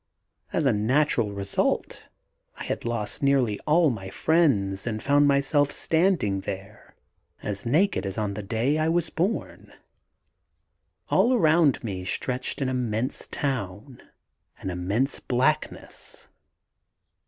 As a natural result I had lost nearly all my friends and found myself standing there as naked as on the day I was born. All around me stretched an immense town an immense blackness.